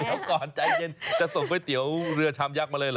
เดี๋ยวก่อนใจเย็นจะส่งก๋วยเตี๋ยวเรือชามยักษ์มาเลยเหรอ